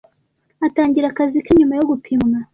Atangira akazi ke nyuma yo gupimwa.